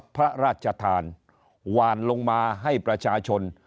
พระราชทานหวานลงมาให้ประชาชน